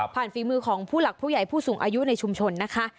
ฝีมือของผู้หลักผู้ใหญ่ผู้สูงอายุในชุมชนนะคะ